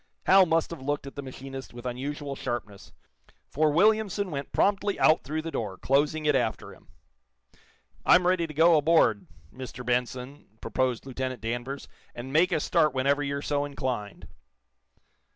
Hal must have looked at the machinist with unusual sharpness, for Williamson went promptly out through the door, closing it after him. "I'm ready to go aboard, Mr. Benson," proposed Lieutenant Danvers, "and make a start whenever you're so inclined."